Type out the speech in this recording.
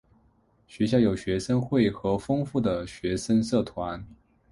学校有学生会和丰富的学生社团。